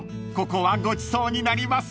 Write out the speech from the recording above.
ここはごちそうになります］